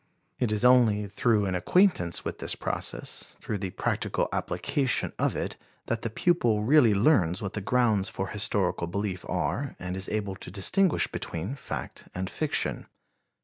It is only through an acquaintance with this process, through the practical application of it, that the pupil really learns what the grounds for historical belief are and is able to distinguish between fact and fiction.